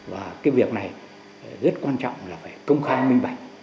và cái việc này rất quan trọng là phải công khai minh bạch